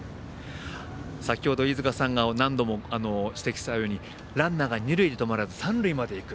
先ほど飯塚さんが何度も指摘されたようにランナーが二塁で止まらず三塁まで行く。